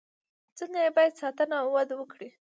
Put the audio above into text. څنګه یې باید ساتنه او وده وکړي.